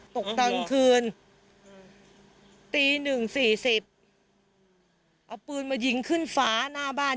ตกตอนคืนตีหนึ่งสี่สิบเอาปืนมายิงขึ้นฟ้าหน้าบ้าน